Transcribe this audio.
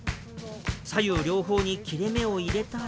左右両方に切れ目を入れたら。